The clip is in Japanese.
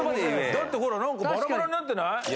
だってほらなんかバラバラになってない？